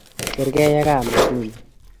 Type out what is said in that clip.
Kargei ak kameytunnyi